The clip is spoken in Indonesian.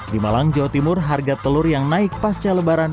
di malang jawa timur harga telur yang naik pasca lebaran